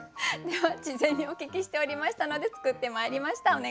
では事前にお聞きしておりましたので作ってまいりました